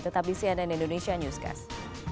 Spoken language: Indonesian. tetap di cnn indonesia newscast